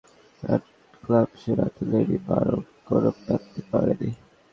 নাইটক্লাবে সে রাতে লেডি ব্যারক কোনও প্যান্টি পড়েনি!